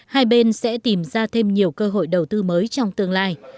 hai bên sẽ tìm ra thêm nhiều cơ hội đầu tư mới trong tương lai